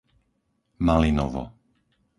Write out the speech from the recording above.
Malinovo